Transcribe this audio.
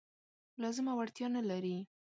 لازمه وړتیا نه لري.